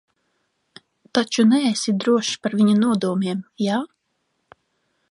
Taču neesi drošs par viņu nodomiem, jā?